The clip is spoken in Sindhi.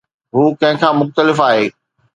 هو ڪنهن کان مختلف آهي